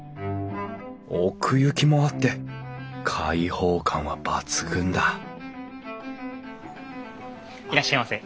奥行きもあって開放感は抜群だいらっしゃいませ。